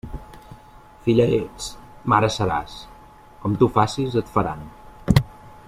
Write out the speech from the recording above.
Filla ets, mare seràs; com tu facis et faran.